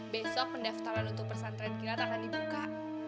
besok pendaftaran untuk pesantren kita akan dibuka